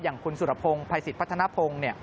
อย่างคุณสุรพงศ์ภัยสิทธิพัฒนภง